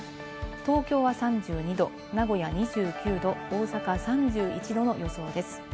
東京は３２度、名古屋２９度、大阪３１度の予想です。